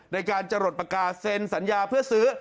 ในการจะหลดปากกาเซ็นสัญญาเพื่อซื้อ